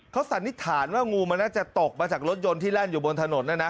เขาสันนิษฐานว่างูมันน่าจะตกมาจากรถยนต์ที่แล่นอยู่บนถนนนะนะ